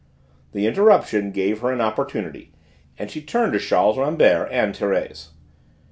The interruption gave her an opportunity, and she turned to Charles Rambert and Thérèse.